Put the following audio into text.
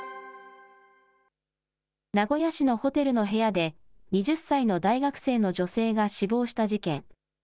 名古屋市のホテルの部屋で、２０歳の大学生の女性が死亡した事件。